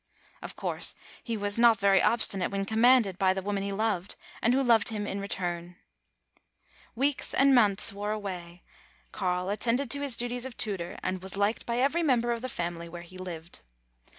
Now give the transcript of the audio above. Of course he was not very obstinate when commanded by 252 THE TALKING HANDKERCHIEF. the woman he loved, and who loved him in return. Weeks and months wore away. Carl attended to his duties of tutor, and was liked by every mem ber of the family where he lived.